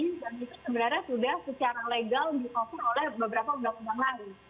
dan itu sebenarnya sudah secara legal di cover oleh beberapa undang undang lain